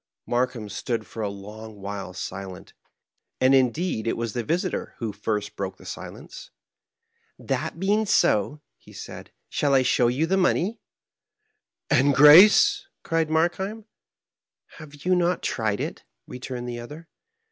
Markheim stood for a long while silent, and indeed it was the visitor who first broke the silence. "That being so," he said, " shall I show yon the money ?" "And grace?" cried Markheim. "Have you not tried it?" returned the other.